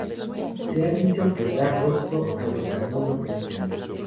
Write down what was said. Se ha dicho que da rostro a los que no lo tenían.